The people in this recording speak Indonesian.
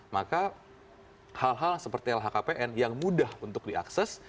maka hal hal seperti lhkpn yang mudah untuk diakses